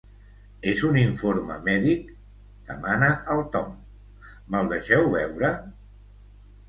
És un informe mèdic? —demana el Tom— Me'l deixeu veure?